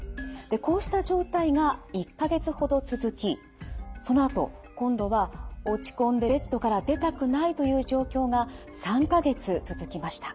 こうした状態が１か月ほど続きそのあと今度は落ち込んでベッドから出たくないという状況が３か月続きました。